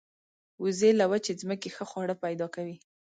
وزې له وچې ځمکې ښه خواړه پیدا کوي